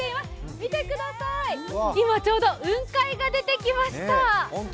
見てください、今ちょうど雲海が出てきました！